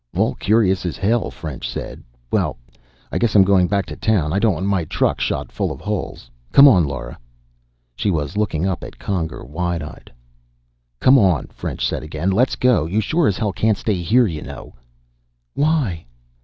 "All curious as hell," French said. "Well, I guess I'm going back to town. I don't want my truck shot full of holes. Come on, Lora." She was looking up at Conger, wide eyed. "Come on," French said again. "Let's go. You sure as hell can't stay here, you know." "Why?"